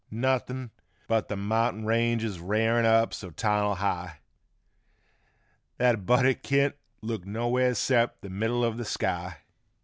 Nothin' but th' mount'in ranges rarin' up so tarnal high Thet a buddy kint look nowheres 'cept the mid dle o' th' sky.